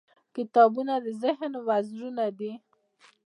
• کتابونه د ذهن وزرونه دي.